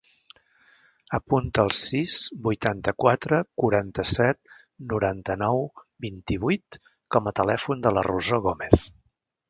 Apunta el sis, vuitanta-quatre, quaranta-set, noranta-nou, vint-i-vuit com a telèfon de la Rosó Gomez.